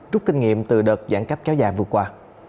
trút kinh nghiệm từ đợt giãn cắp kéo dài vừa qua